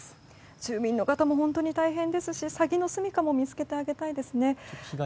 住民の方も本当に大変ですしサギのすみかも見つけてあげたいですね。